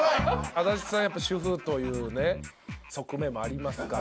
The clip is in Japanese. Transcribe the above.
安達さんは主婦というね側面もありますから。